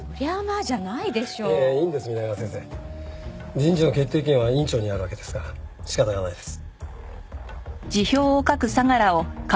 人事の決定権は院長にあるわけですから仕方がないです。